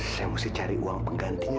saya mesti cari uang penggantinya